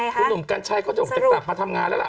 คุณหนุ่มกัญชัยก็จะบอกจะกลับมาทำงานแล้วล่ะ